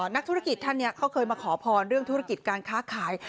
นักธุรกิจท่านนี้เขาเคยมาขอพรเรื่องธุรกิจการค้าขาย